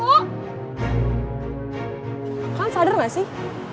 kalian sadar gak sih